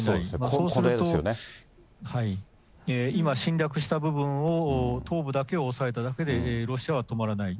そうすると、今、侵略した部分を東部だけを押さえただけでロシアは止まらない。